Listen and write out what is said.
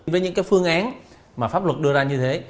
với những phương án mà pháp luật đưa ra như thế